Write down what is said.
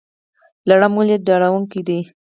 لړم ولې ډارونکی دی؟